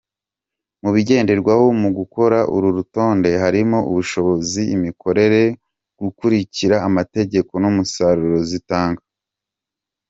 Mu bigenderwaho mu gukora uru rutonde harimo ubushobozi, imikorere, gukurikiza amategeko n’umusaruro zitanga.